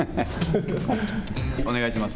お願いします。